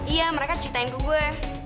iya mereka ceritain ke gue